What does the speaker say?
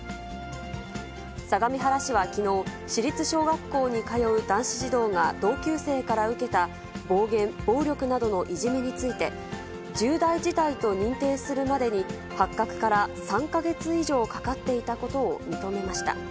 相模原市はきのう、市立小学校に通う男子児童が同級生から受けた暴言、暴力などのいじめについて、重大事態と認定するまでに発覚から３カ月以上かかっていたことを認めました。